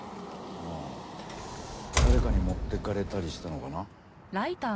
ああ誰かに持っていかれたりしたのかな？